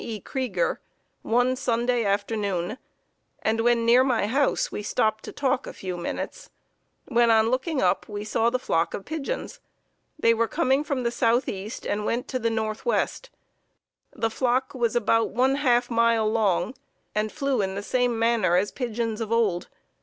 E. Kreiger, one Sunday afternoon, and when near my house we stopped to talk a few minutes, when, on looking up, we saw the flock of pigeons. They were coming from the southeast and went to the northwest. The flock was about one half mile long and flew in the same manner as pigeons of old.